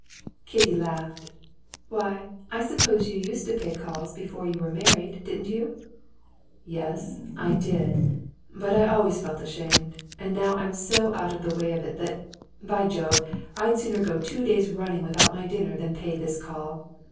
Kitty laughed. "Why, I suppose you used to pay calls before you were married, didn't you?" "Yes, I did, but I always felt ashamed, and now I'm so out of the way of it that, by Jove! I'd sooner go two days running without my dinner than pay this call!